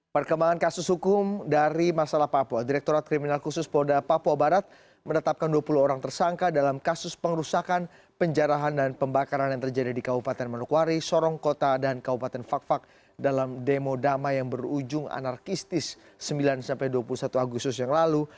perkembangan kasus hukum dari masalah papua direkturat kriminal khusus polda papua barat menetapkan dua puluh orang tersangka dalam kasus pengerusakan penjarahan dan pembakaran yang terjadi di kabupaten manukwari sorong kota dan kabupaten fak fak dalam demo damai yang berujung anarkistis sembilan dua puluh satu agustus yang lalu